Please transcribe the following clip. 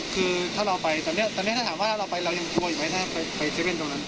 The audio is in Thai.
คือถ้าเราไปตอนเนี้ยถ้าถามว่าถ้าเราไปเรายังกลัวอยู่ไหมถ้าไปเจ็บเย็นตรงนั้น